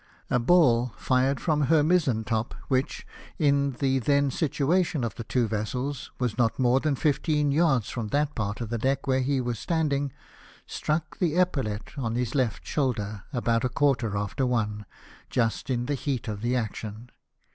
A ball fired from her mizen top, which, in the then situation of the two vessels, was not more than fifteen yards from that part of the deck where he was standing, struck the epaulette on his left shoulder, about a quarter after one, just in the heat of the action.